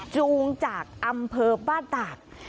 จูงจากอำเภอบ้านตาก